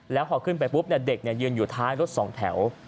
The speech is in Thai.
แล้วพอขึ้นไปปุ๊บเด็กยืนอยู่ท้ายรถสองแถว